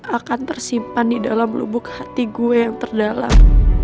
akan tersimpan di dalam lubuk hati gue yang terdalam